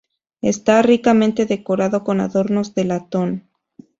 Está ricamente decorado con adornos de latón.